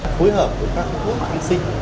phối hợp với các khu vực thăng sinh